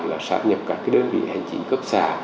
là sát nhập các cái đơn vị hành chính cấp xã